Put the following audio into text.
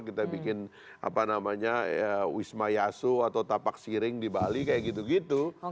kita bikin apa namanya wisma yasu atau tapak siring di batu